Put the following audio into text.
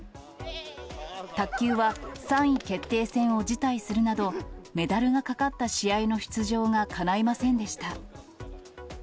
卓球は３位決定戦を辞退するなど、メダルがかかった試合の出場がかないませんでした。